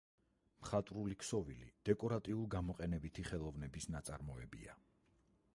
მხატვრული ქსოვილი დეკორატიულ-გამოყენებითი ხელოვნების ნაწარმოებია.